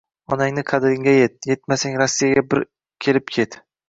Onangni qadriga yet, yetmasang Rossiyaga bir kelib ket.